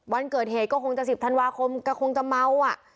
วันเกิดเหตุก็คงจะ๑๐ธันวาคมก็คงจะเมาอ่ะ